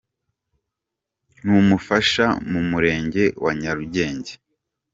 Vd Frank n'umufasha mu murenge wa Nyarugenge.